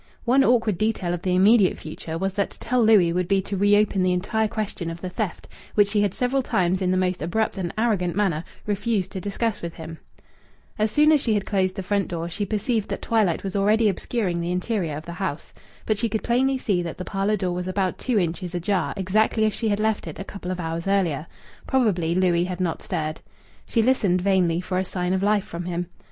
One awkward detail of the immediate future was that to tell Louis would be to reopen the entire question of the theft, which she had several times in the most abrupt and arrogant manner refused to discuss with him. As soon as she had closed the front door she perceived that twilight was already obscuring the interior of the house. But she could plainly see that the parlour door was about two inches ajar, exactly as she had left it a couple of hours earlier. Probably Louis had not stirred. She listened vainly for a sign of life from him.